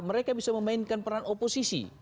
mereka bisa memainkan peran oposisi